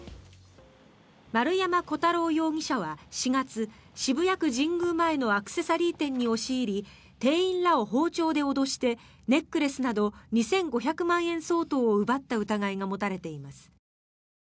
丸山虎太郎容疑者は４月渋谷区神宮前のアクセサリー店に押し入り店員らを包丁で脅してネックレスなど２５００万円相当を奪った疑いが持たれています。